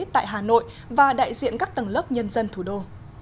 tại hà nội và đại diện các tầng lớp nhân dân thủ đô